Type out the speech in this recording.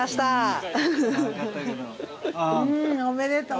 おめでとう。